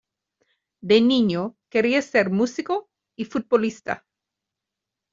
De niño quería ser músico y futbolista.